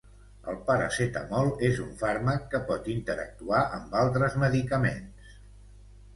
El paracetamol és un fàrmac que pot interactuar amb altres medicaments.